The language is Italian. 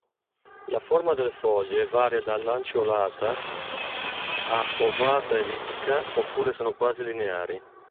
La forma delle foglie varia da lanceolata a ovata-ellittica oppure sono quasi lineari.